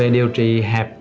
điều trị hẹp